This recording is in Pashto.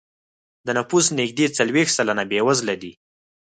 د نفوسو نږدې څلوېښت سلنه بېوزله دی.